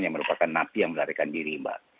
yang merupakan napi yang melarikan diri mbak